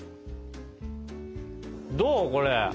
どうこれ？